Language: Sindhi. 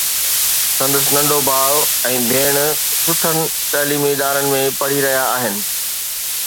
سندس ننڍو ڀاءُ ۽ ڀيڻ سٺن تعليمي ادارن ۾ پڙهي رهيا آهن.